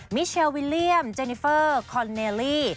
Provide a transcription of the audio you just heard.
มิเชลวิลเลี่ยมเจนิเฟอร์คอนเนลี่